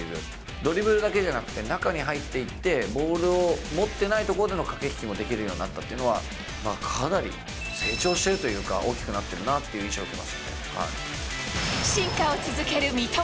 ドリブルだけじゃなくて、中に入っていって、ボールを持ってない所での駆け引きもできるようになったというのは、かなり、成長してるというか、大きくなってるなという印象を受進化を続ける三笘。